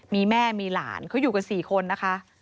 มีแม่มีหลานเขาอยู่กัน๔คนนะคะ